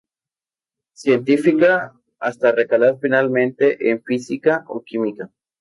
Científica", hasta recalar finalmente en "Física o química".